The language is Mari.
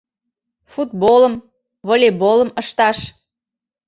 Футболым, волейболым ышташ.